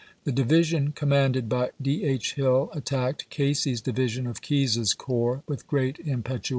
The division commanded by D. H. Hill attacked Casey's division of Keyes's corps with great impetu 1862.